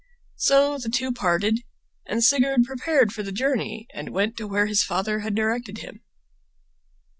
So the two parted, and Sigurd prepared for the journey and went to where his father had directed him.